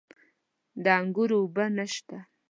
د انګورو اوبه نشته؟